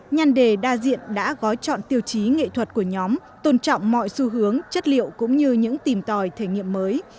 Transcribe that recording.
nhân đề đa diện đã gói chọn tiêu chí nghệ thuật của nhóm tôn trọng mọi xu hướng chất liệu cũng như những tìm tòi thể nghiệm mới